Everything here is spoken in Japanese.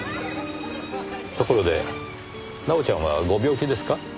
ところで奈緒ちゃんはご病気ですか？